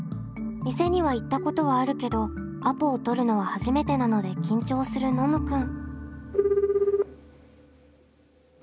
店には行ったことはあるけどアポを取るのは初めてなので緊張するノムくん。